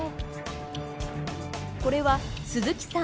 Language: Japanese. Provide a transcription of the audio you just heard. これは鈴木さん